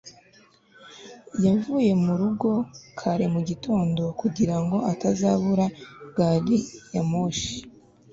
yavuye mu rugo kare mu gitondo kugira ngo atazabura gari ya moshi